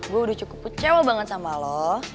gue udah cukup kecewa banget sama lo